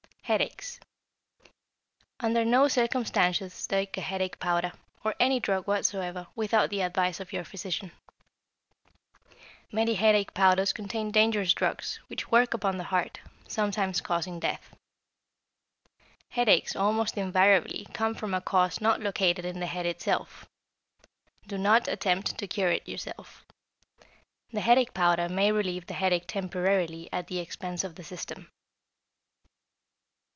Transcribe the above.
=Headaches.= Under no circumstances take a headache powder, or any drug whatsoever, without the advice of your physician. Many headache powders contain dangerous drugs, which work upon the heart, sometimes causing death. Headaches almost invariably come from a cause not located in the head itself. Do not attempt to cure it yourself. The headache powder may relieve the headache temporarily at the expense of the system.